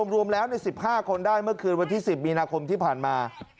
รวมแล้ว๑๕คนได้เมื่อคืนวันที่๑๐มีนาคมที่ผ่านมา